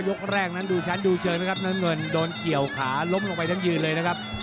ยกแรกนั้นดูชั้นดูเชิงไหมครับน้ำเงินโดนเกี่ยวขาล้มลงไปทั้งยืนเลยนะครับ